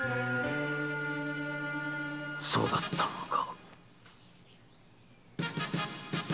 そうだったのか。